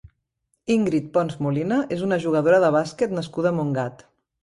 Íngrid Pons Molina és una jugadora de bàsquet nascuda a Montgat.